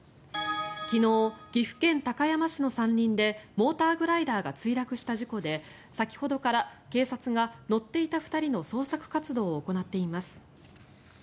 昨日、岐阜県高山市の山林でモーターグライダーが墜落した事故で先ほどから警察が乗っていた２人の捜索活動を行っています。